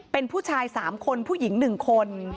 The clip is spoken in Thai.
เป็นผู้ชายสามคนผู้หญิงหนึ่งคน